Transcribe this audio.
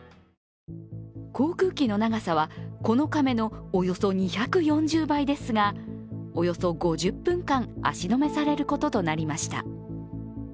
航空機の長さは、この亀のおよそ２４０倍ですが、およそ５０分間、足止めされることとなりました。